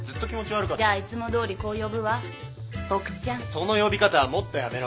その呼び方はもっとやめろ。